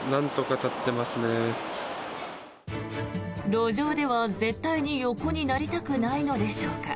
路上では絶対に横になりたくないのでしょうか。